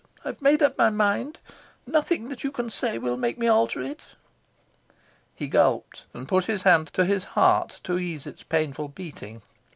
I've made up my mind. Nothing that you can say will make me alter it." He gulped, and put his hand to his heart to ease its painful beating.